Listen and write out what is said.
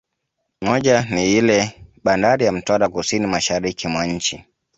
Moja ni iile bandari ya Mtwara kusini mashariki mwa nchi